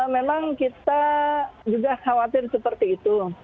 memang kita juga khawatir seperti itu